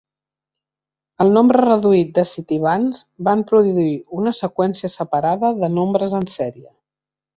El nombre reduït de CitiVans va produir una seqüència separada de nombres en sèrie.